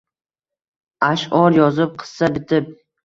Аshʼor yozib, qissa bitib